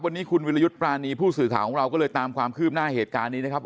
วันนี้คุณวิรยุทธ์ปรานีผู้สื่อข่าวของเราก็เลยตามความคืบหน้าเหตุการณ์นี้นะครับ